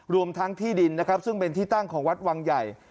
รวมทั้งที่ดินนะครับซึ่งเป็นที่ตั้งของวัดวังใหญ่